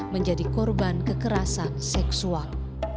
menjadi korban kekerasan seksual